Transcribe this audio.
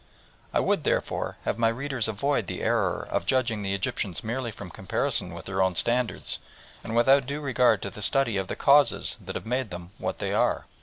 I would, therefore, have my readers avoid the error of judging the Egyptians merely from comparison with their own standards and without due regard to the study of the causes that have made them what they are.